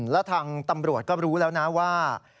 แล้วทางตำรวจก็รู้แล้วนะว่า